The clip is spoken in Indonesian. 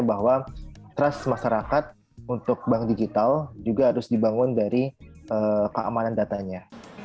bahwa trust masyarakat untuk bank digital juga harus dibangun dari keamanan datanya